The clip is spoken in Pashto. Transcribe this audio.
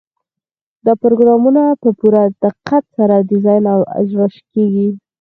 دا پروګرامونه په پوره دقت سره ډیزاین او اجرا کیږي.